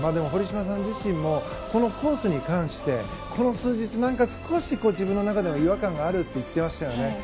堀島さん自身もこのコースに関してこの数日、少し自分の中でも違和感があると言っていましたよね。